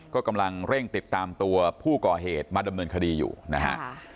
ก็กำลังเร่งติดตามตัวผู้ก่อเหตุมาดำเนินคดีอยู่นะฮะ